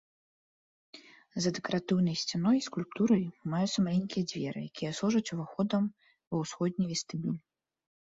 За дэкаратыўнай сцяной і скульптурай маюцца маленькія дзверы, якія служыць уваходам ва ўсходні вестыбюль.